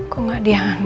tunggu aku mau